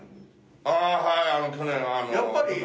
ああはい。